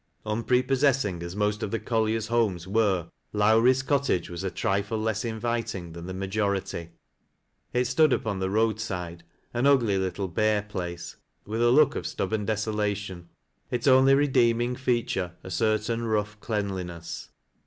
Unprepossessing as most of the colliers' homes were Li; wrie's cottage was a trifle less inviting than the majoi ity. It stood upon the roadside, an ug]y little bare place, with a look of stubborn desolation, i^s only redeemins feature a certain rough cleanliness.